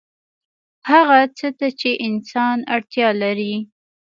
هغه څه ته چې انسان اړتیا لري